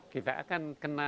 kita akan kena